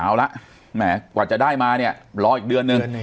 เอาละแหมกว่าจะได้มาเนี่ยรออีกเดือนนึง